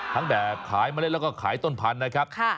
แบบขายเมล็ดแล้วก็ขายต้นพันธุ์นะครับ